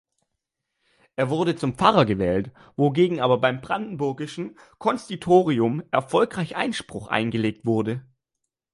Er wurde zum Pfarrer gewählt, wogegen aber beim Brandenburgischen Konsistorium erfolgreich Einspruch eingelegt wurde.